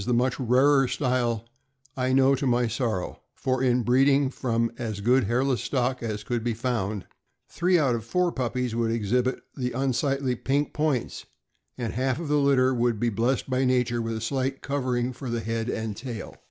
That the former is much the rarer style I know to my sorrow, for in breeding from as good hairless stock as could be found, three out of four puppies would exhibit the unsightly pink points, and half of the litter would be blessed (ft) by nature with a slight covering for the head and tail.